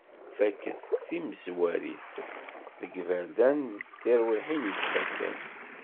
Faket timezwarit deg yiberdan, d tirwiḥin i yettfakan.